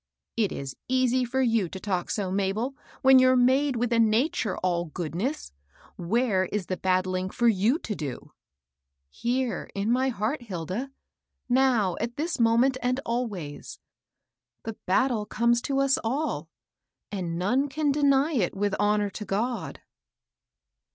" it is easy for you to talk so, Mabel, when you're made with a nature all goodness. Where is the battling for you to do ?"" Here^ in my heart, Hilda ; now, at this mo ment, and always. The battle comes to us all, and none can fly it with honor to God."